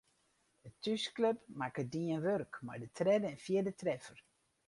De thúsklup makke dien wurk mei de tredde en fjirde treffer.